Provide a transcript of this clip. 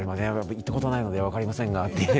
行ったことないので分かりませんがと。